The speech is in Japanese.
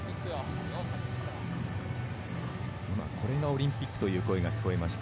これがオリンピックという声が聞こえました